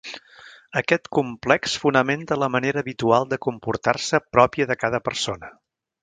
Aquest complex fonamenta la manera habitual de comportar-se pròpia de cada persona.